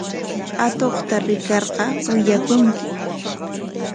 Atuqta rikarqa willakunki.